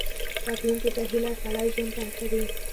راتلونکي ته هیله، سړی ژوند ته هڅوي.